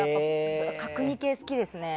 角煮系、好きですね。